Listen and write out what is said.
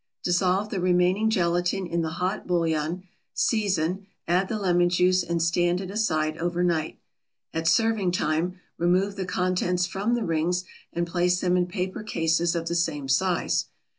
Dissolve the remaining gelatin in the hot bouillon, season, add the lemon juice, and stand it aside over night. At serving time, remove the contents from the rings and place them in paper cases of the same size.